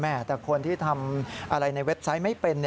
แต่คนที่ทำอะไรในเว็บไซต์ไม่เป็น